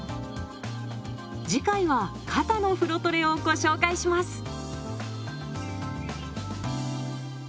次回は「肩」の風呂トレをご紹介します。